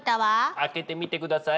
開けてみてください。